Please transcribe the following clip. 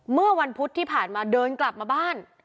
เมื่อวันพุธที่ผ่านมาเดินกลับมาบ้าน